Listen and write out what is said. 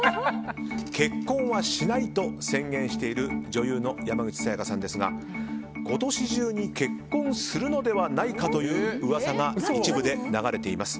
結婚はしないと宣言している女優の山口紗弥加さんですが今年中に結婚するのではないかという噂が一部で流れています。